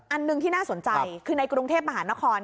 อันหนึ่งที่น่าสนใจคือในกรุงเทพมหานคร